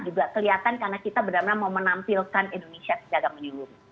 juga kelihatan karena kita benar benar mau menampilkan indonesia secara menyeluruh